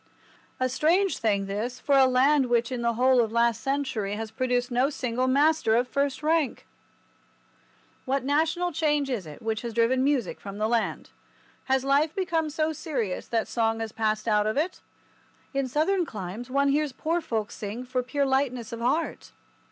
A strange thing this for a land which in the whole of last century has produced no single master of the first rank! What national change is it which has driven music from the land? Has life become so serious that song has passed out of it? In Southern climes one hears poor folk sing for pure lightness of heart.